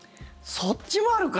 そっちもあるか。